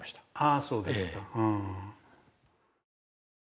ああそうですか。